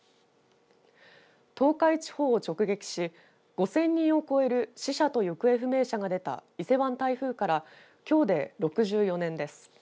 東海地方を直撃し５０００人を超える死者と行方不明者が出た伊勢湾台風からきょうで６４年です。